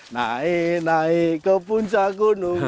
naik naik ke puncak gunung